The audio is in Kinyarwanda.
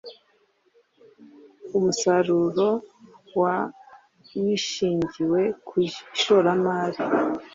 Umusaruro wa wishingiwe ku ishoramari.